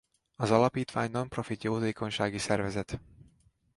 Az alapítvány non-profit jótékonysági szervezet.